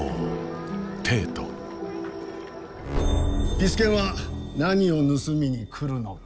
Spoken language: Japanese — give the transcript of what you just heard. ピス健は何を盗みに来るのか。